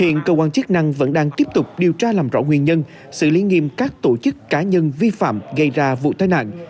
hiện cơ quan chức năng vẫn đang tiếp tục điều tra làm rõ nguyên nhân xử lý nghiêm các tổ chức cá nhân vi phạm gây ra vụ tai nạn